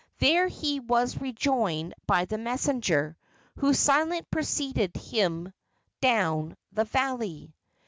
There he was rejoined by the messenger, who silently preceded him down the valley.